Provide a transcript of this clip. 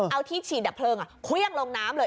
เอาที่ฉีดดับเพลิงเครื่องลงน้ำเลย